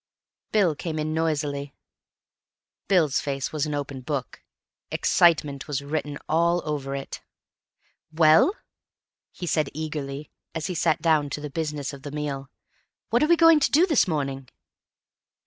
Bill came in noisily. Bill's face was an open book. Excitement was written all over it. "Well," he said eagerly, as he sat down to the business of the meal, "what are we going to do this morning?"